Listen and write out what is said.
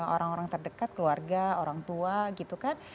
orang orang terdekat keluarga orang tua gitu kan